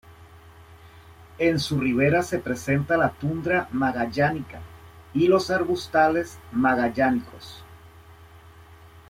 En su ribera se presenta la tundra magallánica y los arbustales magallánicos.